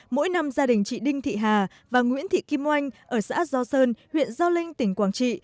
mỗi năm gia đình chị đinh thị hà và nguyễn thị kim oanh ở xã do sơn huyện do linh tỉnh quảng trị